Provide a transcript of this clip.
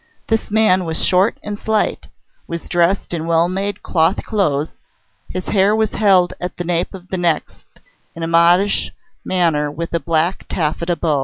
This man was short and slight, was dressed in well made cloth clothes; his hair was held in at the nape of the next in a modish manner with a black taffeta bow.